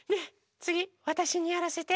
つぎわたしにやらせて。